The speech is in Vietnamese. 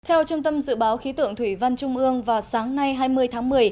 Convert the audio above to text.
theo trung tâm dự báo khí tượng thủy văn trung ương vào sáng nay hai mươi tháng một mươi